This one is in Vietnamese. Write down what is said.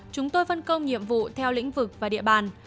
chúng tôi phân công nhiệm vụ theo lĩnh vực và địa bàn